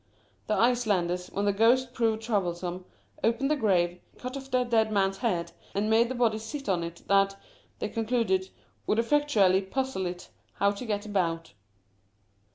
The Icelanders, when a ghost proved troublesome, opened the grave, cut off the dead man's head, and made the body sit on it That, they concluded, would effectually puzzle it how to get about.